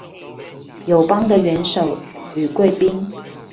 友邦的元首與貴賓